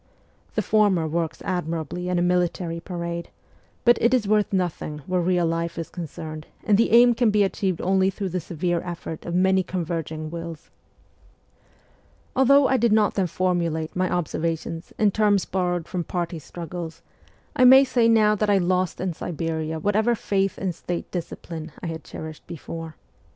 The former works admirably in a military parade, but it is worth nothing where real life is concerned and the aim can be achieved only through the severe effort of many converging wills. Although I did not then formulate my observations in terms borrowed from party struggles, I may say now that I lost in Siberia whatever faith in State discipline I had cherished before.